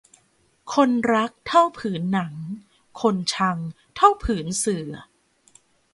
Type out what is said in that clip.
คนรักเท่าผืนหนัง คนชังเท่าผืนเสื่อ